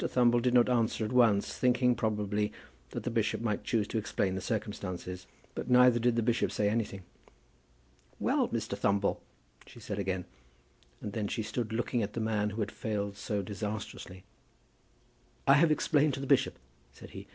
Thumble did not answer at once, thinking, probably, that the bishop might choose to explain the circumstances. But, neither did the bishop say any thing. "Well, Mr. Thumble?" she said again; and then she stood looking at the man who had failed so disastrously. "I have explained to the bishop," said he. "Mr.